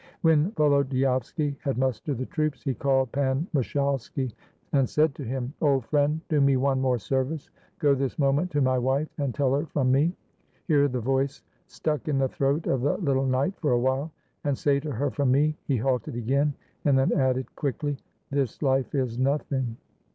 When Volodyovski had mustered the troops, he called Pan Mushalski and said to him, — "Old friend, do me one more service. Go this mo ment to my wife, and tell her from me —" Here the voice stuck in the throat of the little knight for a while. "And say to her from me —" He halted again, and then added quickly, "This life is nothing!"